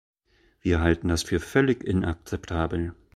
Wir halten das für völlig inakzeptabel.